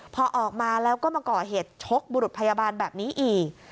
พอออกมาแล้วก็มาก่อเหตุชกบุรุษพยาบาลแบบนี้อีก